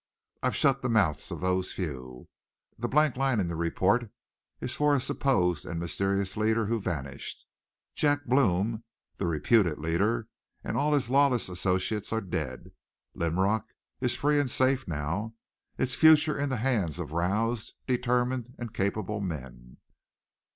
I've shut the mouths of those few. That blank line in the report is for a supposed and mysterious leader who vanished. Jack Blome, the reputed leader, and all his lawless associates are dead. Linrock is free and safe now, its future in the hands of roused, determined, and capable men."